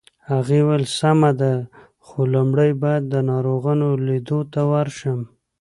هغې وویل: سمه ده، خو لومړی باید د ناروغانو لیدو ته ورشم.